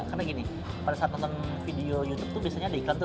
karena gini pada saat nonton video youtube itu biasanya ada iklan tuh